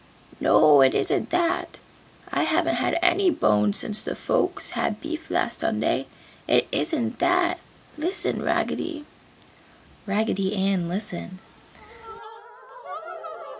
"No, it isn't that. I haven't had any bones since the folks had beef last Sunday. It isn't that. Listen, Raggedy!" Raggedy Ann listened.